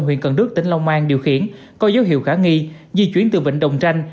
huyện cần đức tỉnh long an điều khiển có dấu hiệu khả nghi di chuyển từ vịnh đồng tranh